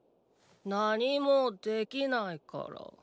なにもできないから。